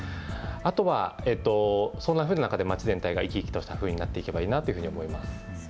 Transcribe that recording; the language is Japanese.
あとは、そんな中で町全体が生き生きとしたふうになっていけばいいなというふうに思います。